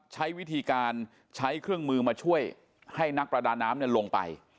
ใช้วิธีการใช้เครื่องมือมาช่วยให้นักประดาน้ำลงไป